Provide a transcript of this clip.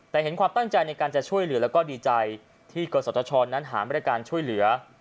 แต่เห็นความตั้งใจในการจะช่วยเหลือแล้วก็ดีใจที่กศชนั้นหาบริการช่วยเหลือ